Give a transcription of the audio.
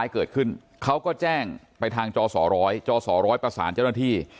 เกิดขึ้นเขาก็แจ้งไปทางจสร้อยจศร้อยประสานเจ้าหน้าที่